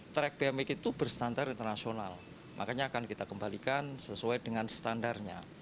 track bmk itu berstandar internasional makanya akan kita kembalikan sesuai dengan standarnya